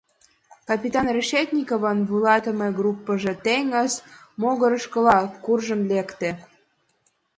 Капитан Решетниковын вуйлатыме группыжо теҥыз могырышкыла куржын лекте.